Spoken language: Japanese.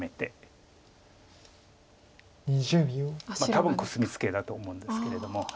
多分コスミツケだと思うんですけれども。